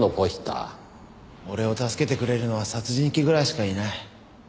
俺を助けてくれるのは殺人鬼ぐらいしかいない。